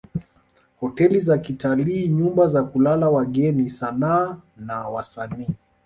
Hoteli za kitalii nyumba za kulala wageni sanaa na wasanii